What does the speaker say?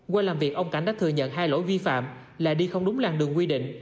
qua làm việc ông cảnh đã thừa nhận hai lỗi vi phạm là đi không đúng làng đường quy định